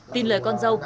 tin lời con dâu